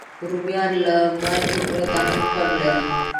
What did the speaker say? رومیان له مالګې پرته هم خوند لري